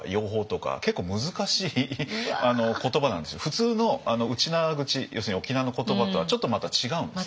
普通のウチナーグチ要するに沖縄の言葉とはちょっとまた違うんですね。